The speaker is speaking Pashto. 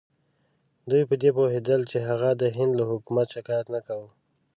دوی په دې پوهېدل چې هغه د هند له حکومت شکایت نه کاوه.